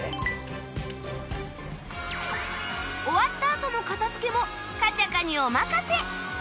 終わったあとの片付けもカチャカにお任せ！